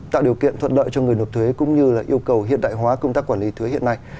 tạo điều kiện thuận lợi cho người nộp thuế cũng như yêu cầu hiện đại hóa công tác quản lý thuế hiện nay